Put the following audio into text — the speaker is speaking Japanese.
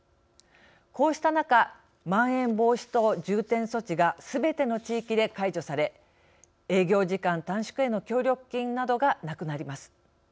こうした中まん延防止等重点措置がすべての地域で解除され営業時間短縮への協力金などがなくなります。